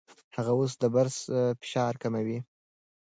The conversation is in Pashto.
هغه اوس د برس فشار کموي.